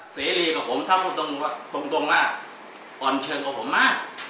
เสรีกับผมถ้าพูดตรงว่าอ่อนเชิงกว่าผมมาก